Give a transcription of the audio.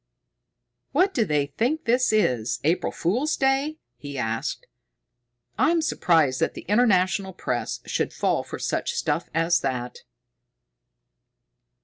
"What do they think this is, April Fool's Day?" he asked. "I'm surprised that the International Press should fall for such stuff as that!"